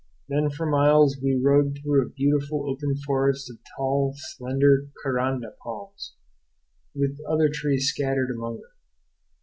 Then for miles we rode through a beautiful open forest of tall, slender caranda palms, with other trees scattered among them.